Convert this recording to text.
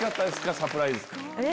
サプライズ。